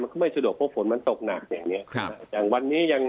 มันก็ไม่สะดวกพบฝนมันตกหนักอย่างนี้